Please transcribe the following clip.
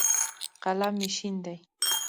قلم مې شین دی.